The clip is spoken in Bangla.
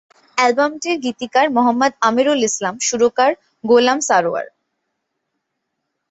অ্যালবামটির গীতিকার মোহাম্মদ আমিরুল ইসলাম, সুরকার গোলাম সারোয়ার।